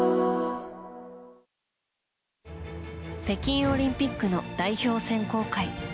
北京オリンピックの代表選考会。